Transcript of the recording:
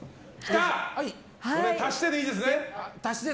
これ足してでいいですね？